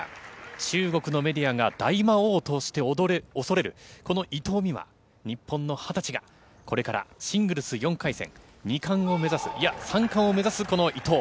中国のメディアが大魔王として恐れる、この伊藤美誠、日本の２０歳が、これからシングルス４回戦、２冠を目指す、いや、３冠を目指すこの伊藤。